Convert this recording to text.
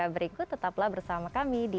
berikut tetaplah bersama kami di